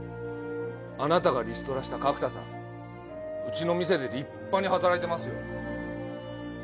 あなたがリストラした角田さんうちの店で立派に働いてますよ。